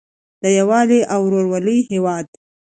د یووالي او ورورولۍ هیواد.